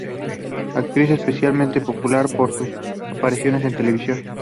Actriz especialmente popular por sus apariciones en televisión.